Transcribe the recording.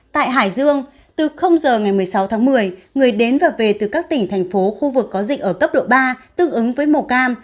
tại hải dương từ giờ ngày một mươi sáu tháng một mươi người đến và về từ các tỉnh thành phố khu vực có dịch ở cấp độ ba tương ứng với màu cam